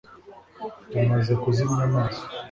Tumaze kuzimya amaso